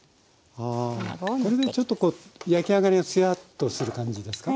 ああこれでちょっと焼き上がりがつやっとする感じですか？